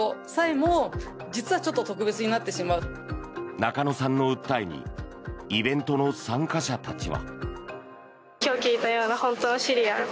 中野さんの訴えにイベントの参加者たちは。